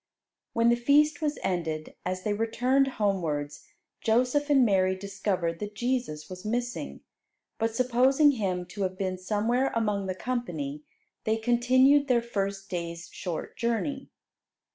When the feast was ended, as they returned homewards, Joseph and Mary discovered that Jesus was missing; but supposing Him to have been somewhere among the company, they continued their first day's short journey.